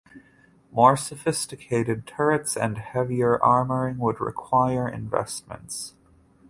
More sophisticated (turrets) and heavier armoring would require investments.